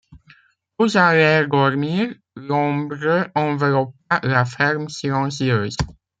Tous allèrent dormir, l’ombre enveloppa la ferme silencieuse.